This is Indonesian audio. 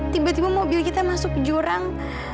tiba tiba mobil kita masuk jurang